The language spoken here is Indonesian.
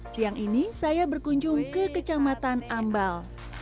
siang ini saya berkunjung ke kecamatan ambal